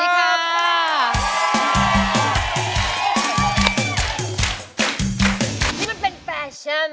นี่มันเป็นแฟชั่น